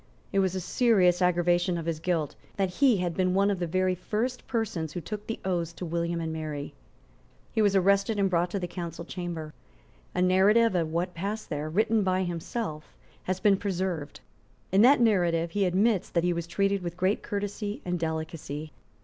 It was a serious aggravation of his guilt that he had been one of the very first persons who took the oaths to William and Mary. He was arrested and brought to the Council Chamber. A narrative of what passed there, written by himself, has been preserved. In that narrative he admits that he was treated with great courtesy and delicacy.